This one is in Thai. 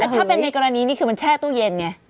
ถ้าเป็นในกรณีนี้คือมันแช่ตู้เย็นไง